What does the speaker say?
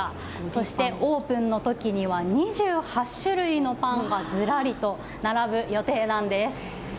そして、オープンの時には２８種類のパンがずらりと並ぶ予定なんです。